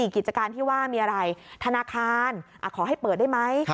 กิจการที่ว่ามีอะไรธนาคารขอให้เปิดได้ไหม